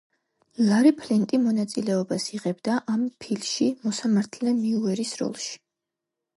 ლარი ფლინტი მონაწილეობას იღებდა ამ ფილში მოსამართლე მიურეის როლში.